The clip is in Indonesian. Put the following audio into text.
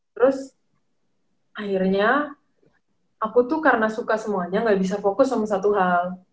terus akhirnya aku tuh karena suka semuanya gak bisa fokus sama satu hal